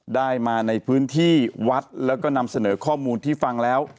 ได้มาในพื้นที่วัดแล้วก็นำเสนอข้อมูลที่ฟังแล้ว